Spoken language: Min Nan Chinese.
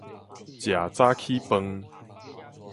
食早起飯